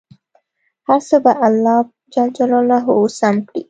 هر څه به پاک الله جل جلاله سم کړي.